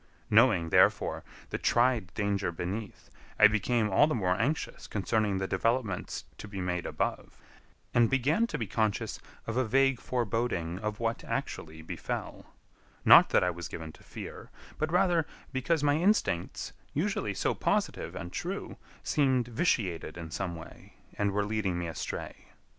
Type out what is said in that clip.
Knowing, therefore, the tried danger beneath, I became all the more anxious concerning the developments to be made above, and began to be conscious of a vague foreboding of what actually befell; not that I was given to fear, but rather because my instincts, usually so positive and true, seemed vitiated in some way, and were leading me astray.